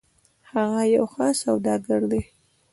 هغه یو ښه سوداګر ده